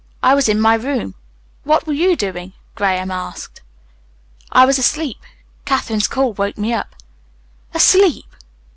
"I was in my room." "What were you doing?" Graham asked. "I was asleep. Katherine's call woke me up." "Asleep!"